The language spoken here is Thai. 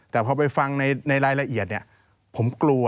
แต่พอไปฟังในรายละเอียดผมกลัว